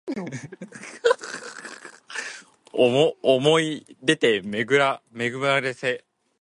想おもい出で巡めぐらせ